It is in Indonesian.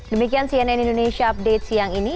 demikian cnn indonesia update siang ini